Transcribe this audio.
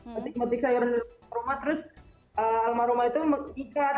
metik metik sayuran di belakang rumah terus rumah rumah itu ikat